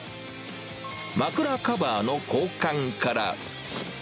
枕カバーの交換から。